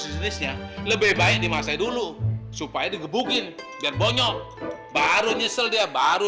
sejenisnya lebih baik dimasai dulu supaya digebukin biar bonyok baru nyesel dia baru